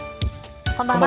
こんばんは。